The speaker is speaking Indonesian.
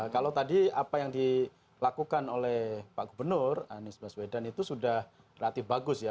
kalau tadi apa yang dilakukan oleh pak gubernur anies baswedan itu sudah relatif bagus ya